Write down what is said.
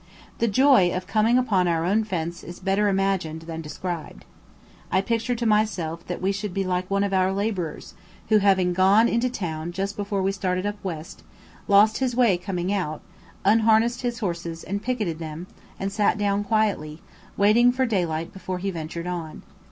The joy of coming upon our own fence is better imagined than described. I pictured to myself that we should be like one of our labourers, who, having gone into town just before we started up west, lost his way coming out, unharnessed his horses and picketed them, and sat down quietly, waiting for daylight before he ventured on.